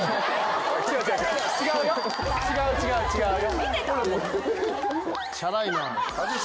違う違う違うよ。